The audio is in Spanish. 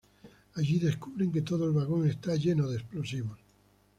Allí descubren que todo el vagón está lleno de explosivos.